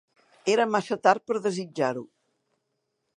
Era massa tard per desitjar-ho!